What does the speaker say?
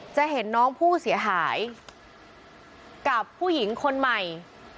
จะเห็นน้องผู้เสียหายกับผู้หญิงคนใหม่